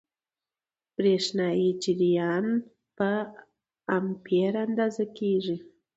برېښنايي جریان په امپیر اندازه کېږي.